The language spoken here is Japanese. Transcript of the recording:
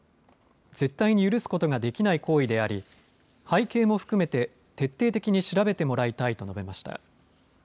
絶対に許すことができない行為であり背景も含めて徹底的に調べてもらいたいと述べました。